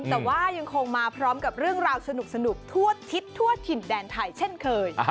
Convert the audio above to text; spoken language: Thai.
แต่ว่ายังคงมาพร้อมกับเรื่องราวสนุกทั่วทิศทั่วถิ่นแดนไทยเช่นเคย